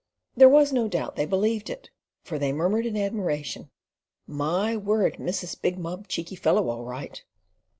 There was no doubt they believed it, for they murmured in admiration "My word! Missus big mob cheeky fellow all right."